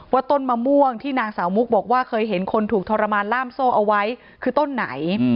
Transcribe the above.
ต้นมะม่วงที่นางสาวมุกบอกว่าเคยเห็นคนถูกทรมานล่ามโซ่เอาไว้คือต้นไหน